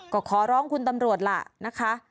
ก็ขอร้องคุณตำรวจล่ะนะคะ